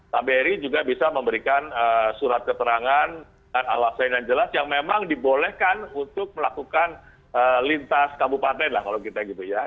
kbri juga bisa memberikan surat keterangan dan alasan yang jelas yang memang dibolehkan untuk melakukan lintas kabupaten lah kalau kita gitu ya